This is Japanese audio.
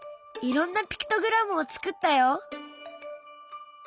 いろんなピクトグラムを作ったよ！